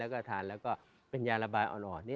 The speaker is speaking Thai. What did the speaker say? แล้วก็ทานแล้วก็เป็นยาระบายอ่อน